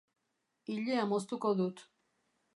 ilea moztuko dut